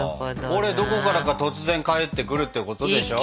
これどこからか突然帰ってくるってことでしょ？